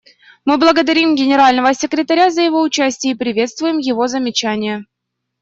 Мы благодарим Генерального секретаря за его участие и приветствуем его замечания.